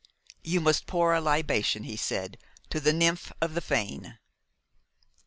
'You must pour a libation,' he said, 'to the nymph of the fane.